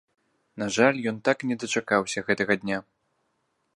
На жаль, ён так і не дачакаўся гэтага дня.